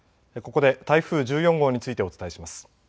ここで台風１４号についてお伝えします。